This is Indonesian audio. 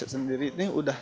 aku sedang berendam